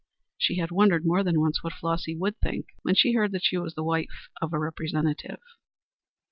She had wondered more than once what Flossy would think when she heard that she was the wife of a Representative.